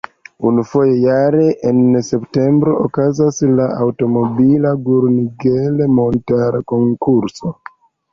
Unu foje jare en septembro okazas la aŭtomobila Gurnigel-Montarkonkurso.